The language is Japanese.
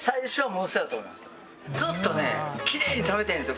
ずっとねきれいに食べてるんですよ。